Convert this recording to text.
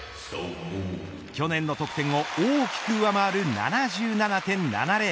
去年の得点を大きく上回る７７．７０。